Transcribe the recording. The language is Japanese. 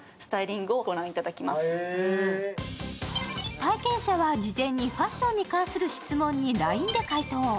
体験者は事前にファッションに関する質問にＬＩＮＥで回答。